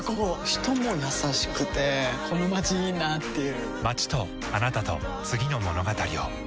人も優しくてこのまちいいなぁっていう